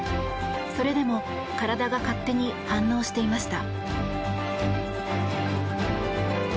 それでも体が勝手に反応していました。